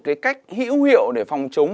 cái cách hữu hiệu để phòng chống